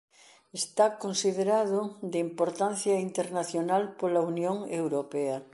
Está considerado de importancia internacional pola Unión Europea.